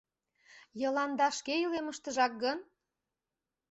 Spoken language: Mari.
— Йыланда шке илемыштыжак гын?